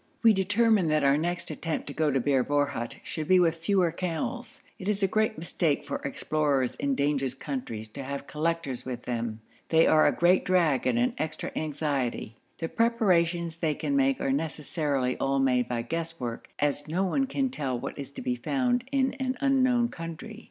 We determined that our next attempt to go to Bir Borhut should be with fewer camels. It is a great mistake for explorers in dangerous countries to have collectors with them. They are a great drag and an extra anxiety. The preparations they can make are necessarily all made by guesswork, as no one can tell what is to be found in an unknown country.